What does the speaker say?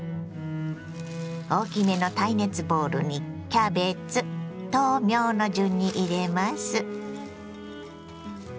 大きめの耐熱ボウルにキャベツ豆苗の順に入れます。